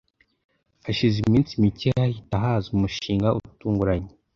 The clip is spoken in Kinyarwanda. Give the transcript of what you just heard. hashize iminsi mike hahita haza umushinga utunguranye